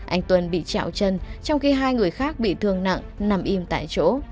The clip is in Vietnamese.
anh tuân bị trạo chân trong khi hai người khác bị thương nặng nằm im tại chỗ